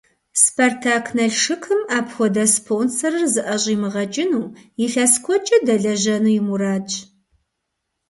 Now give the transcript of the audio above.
«Спартак-Налшыкым» апхуэдэ спонсорыр зыӀэщӀимыгъэкӀыну, илъэс куэдкӀэ дэлэжьэну и мурадщ.